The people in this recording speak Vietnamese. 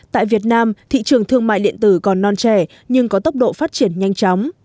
tại việt nam thị trường thương mại điện tử còn non trẻ nhưng có tốc độ phát triển nhanh chóng